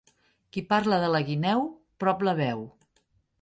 Qui parla de la guineu, prop la veu.